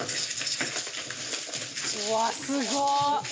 うわすご。